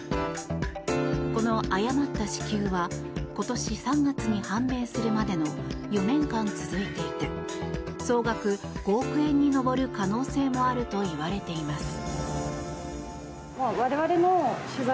この誤った支給は今年３月に判明するまでの４年間続いていて総額５億円に上る可能性もあるといわれています。